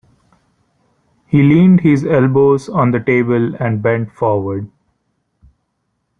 He leaned his elbows on the table and bent forward.